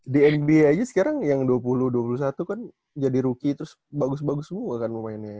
di nba aja sekarang yang dua puluh dua puluh satu kan jadi rookie terus bagus bagus semua kan pemainnya